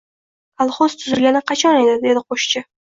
— Kolxoz tuzilgani qachon edi? — dedi qo‘shchi. —